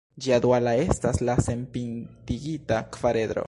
Ĝia duala estas la senpintigita kvaredro.